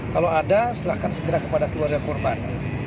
kalau ada silahkan segera kepada keluarga korban